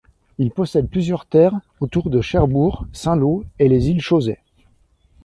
Il possède plusieurs terres autour de Cherbourg, Saint-Lô et les îles Chausey.